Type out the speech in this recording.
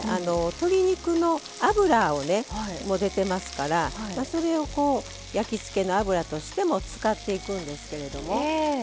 鶏肉の脂も出てますからそれを焼き付けの油としても使っていくんですけれども。